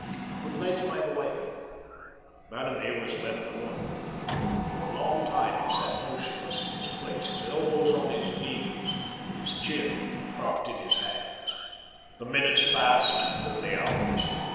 "Good night, my boy." Vanamee was left alone. For a long time he sat motionless in his place, his elbows on his knees, his chin propped in his hands. The minutes passed then the hours.